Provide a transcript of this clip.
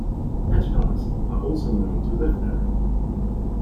Hedgehogs are also known to live there.